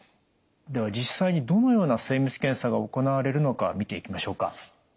では実際にどのような精密検査が行われるのか見ていきましょうか。